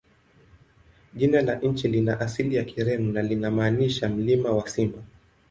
Jina la nchi lina asili ya Kireno na linamaanisha "Mlima wa Simba".